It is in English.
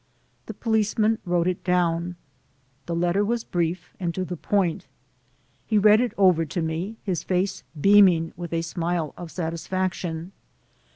The police man wrote it down. The letter was brief and to the point. He read it over to me, his face beaming with a smile of satisfaction.